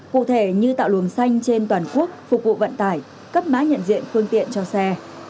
cụ thể như tạo luồng xanh trên toàn quốc phục vụ vận tải cấp mã nhận diện phương tiện cho xe